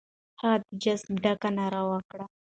هغه د جذبې ډکه ناره وکړه.